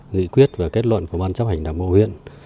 nghị quyết và kết luận của ban chấp hành đảng bộ huyện